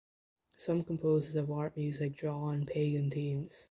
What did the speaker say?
Some composers of art music draw on Pagan themes.